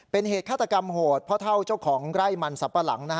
เป็นเหตุฆาตกรรมโหดพ่อเท่าเจ้าของไร่มันสับปะหลัง